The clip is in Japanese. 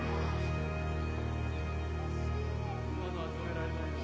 今のは止められないな。